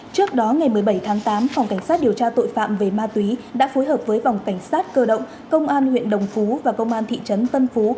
trước đó ngày một mươi bảy tháng tám phòng cảnh sát điều tra tội phạm về ma túy đã phối hợp với phòng cảnh sát cơ động công an huyện đồng phú và công an thị trấn tân phú